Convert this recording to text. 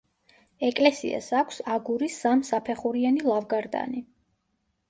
ეკლესიას აქვს აგურის სამსაფეხურიანი ლავგარდანი.